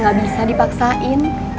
gak bisa dipaksain